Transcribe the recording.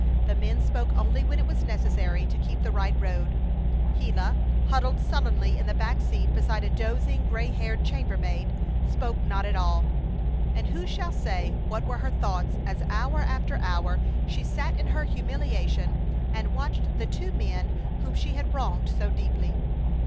The men spoke only when it was necessary to keep the right road. Gila, huddled sullenly in the back seat beside a dozing, gray haired chambermaid, spoke not at all. And who shall say what were her thoughts as hour after hour she sat in her humiliation and watched the two men whom she had wronged so deeply?